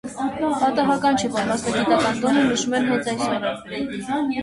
Պատահական չէ, որ մասնագիտական տոնը նշում են հենց այս օրը։